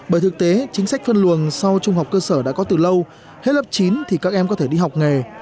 bởi thực tế chính sách phân luồng sau trung học cơ sở đã có từ lâu hết lớp chín thì các em có thể đi học nghề